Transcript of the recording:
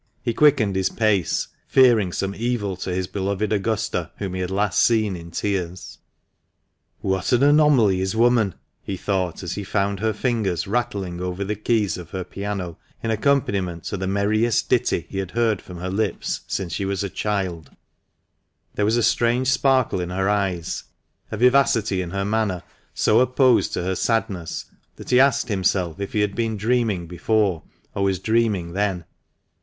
He quickened his pace, fearing some evil to his beloved Augusta, whom he had last seen in tears. " What an anomaly is woman !" he thought, as he found her fingers rattling over the keys of her piano in accompaniment to the merriest ditty he had heard from her lips since she was a child, 340 THE MANCHESTER MAN. There was a strange sparkle in her eyes, a vivacity in her manner so opposed to her sadness that he asked himself if he had been dreaming before, or was dreaming then.